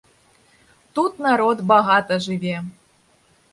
Тут народ багата жыве.